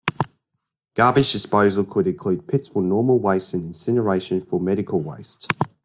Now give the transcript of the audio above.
Garbage disposal could include pits for normal waste and incineration for medical waste.